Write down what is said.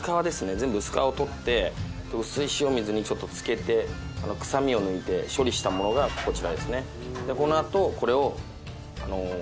全部薄皮を取って薄い塩水にちょっと漬けて臭みを抜いて処理したものがこちらですね。